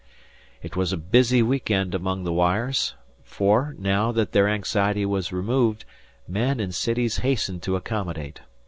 It was a busy week end among the wires; for now that their anxiety was removed, men and cities hastened to accommodate.